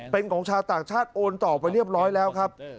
เป็นของชาวต่างชาติโอนต่อไปเรียบร้อยแล้วครับ